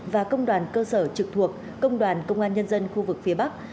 và công đoàn cơ sở trực thuộc công đoàn công an nhân dân khu vực phía bắc